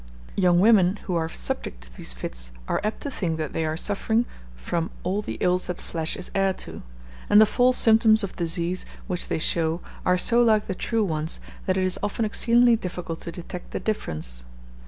Young women, who are subject to these fits, are apt to think that they are suffering from "all the ills that flesh is heir to;" and the false symptoms of disease which they show are so like the true ones, that it is often exceedingly difficult to detect the difference.